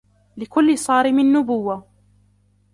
لكلّ صارم نبوة.